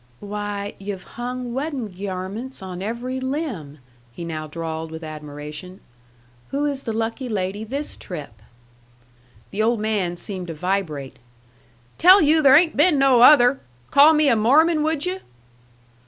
"Why, yu've hung weddin' gyarments on every limb!" he now drawled, with admiration. "Who is the lucky lady this trip?" The old man seemed to vibrate. "Tell you there ain't been no other! Call me a Mormon, would you?"